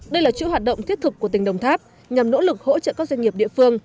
đây là chữ hoạt động thiết thực của tỉnh đồng tháp nhằm nỗ lực hỗ trợ các doanh nghiệp địa phương